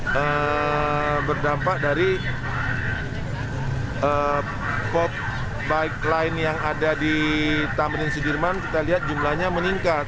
ini berdampak dari pop bike line yang ada di tamrin sudirman kita lihat jumlahnya meningkat